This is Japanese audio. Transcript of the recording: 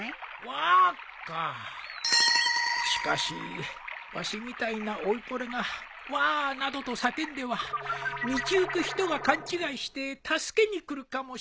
しかしわしみたいな老いぼれが「わあ！」などと叫んでは道行く人が勘違いして助けに来るかもしれん